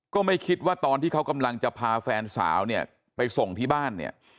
ก็ไม่คิดว่าตอนที่เขากำลังจะพาแฟนสาวเนี่ยไปส่งที่บ้านเนี่ย